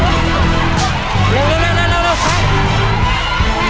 เติมไป